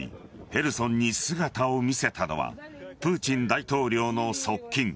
ヘルソンに姿を見せたのはプーチン大統領の側近。